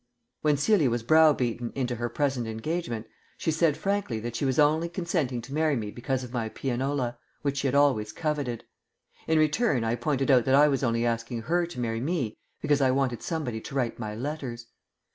When Celia was browbeaten into her present engagement, she said frankly that she was only consenting to marry me because of my pianola, which she had always coveted. In return I pointed out that I was only asking her to marry me because I wanted somebody to write my letters.